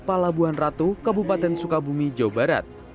palabuhan ratu kabupaten sukabumi jawa barat